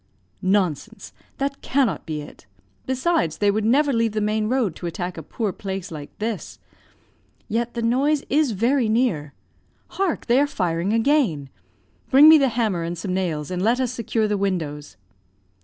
"Nonsense! that cannot be it. Besides they would never leave the main road to attack a poor place like this. Yet the noise is very near. Hark! they are firing again. Bring me the hammer and some nails, and let us secure the windows."